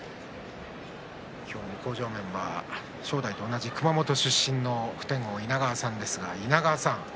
向正面は、正代と同じ熊本出身の普天王稲川さんです。